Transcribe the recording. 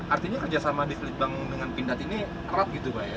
artinya kerjasama dislitbank dengan pindad ini keras gitu pak ya